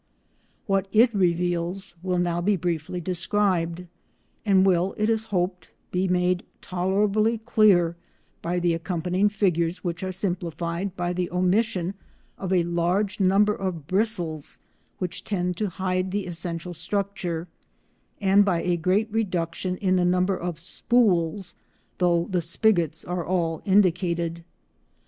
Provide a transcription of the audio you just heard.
What it reveals will now be briefly described, and will, it is hoped, be made tolerably clear by the accompanying figures which are simplified by the omission of a large number of bristles which tend to hide the essential structure, and by a great reduction in the number of "spools," though the spigots are all indicated.